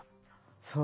そう。